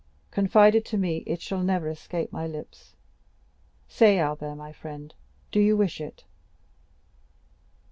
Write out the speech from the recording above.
Confided to me, it shall never escape my lips; say, Albert, my friend, do you wish it?"